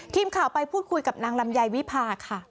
ทีมข่าวไปพูดคุยกับนางลำไยวิภาค่ะ